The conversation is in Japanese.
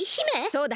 そうだ。